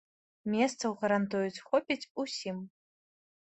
Месцаў, гарантуюць, хопіць усім.